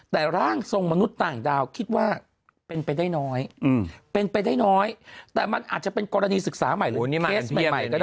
ได้ร่างทรงมนุษย์ต่างดาวคิดว่าเป็นไปได้น้อยแต่มันอาจจะเป็นกรณีศึกษาใหม่